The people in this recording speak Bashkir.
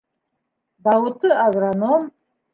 Дауыты — агроном.